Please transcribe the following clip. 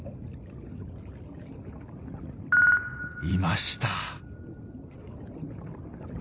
いました。